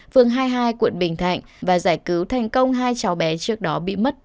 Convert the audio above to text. phường hai mươi hai quận bình thạnh và giải cứu thành công hai cháu bé trước đó bị mất tích